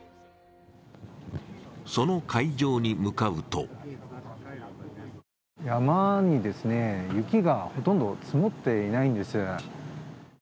その会場に向かうと山に雪がほとんど積もっていないんです。